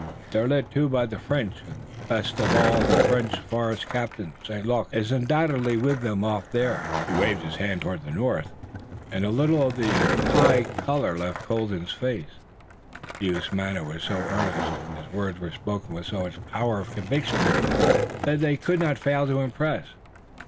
They're led too by the French, and the best of all the French forest captains, St. Luc, is undoubtedly with them off there." He waved his hand toward the north, and a little of the high color left Colden's face. The youth's manner was so earnest and his words were spoken with so much power of conviction that they could not fail to impress.